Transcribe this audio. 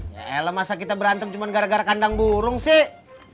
ya el masa kita berantem cuma gara gara kandang burung sih